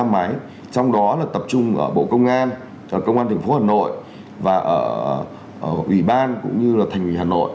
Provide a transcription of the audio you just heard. một mươi năm máy trong đó là tập trung ở bộ công an công an tp hà nội và ủy ban cũng như là thành ủy hà nội